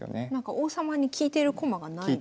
王様に利いてる駒がないですね。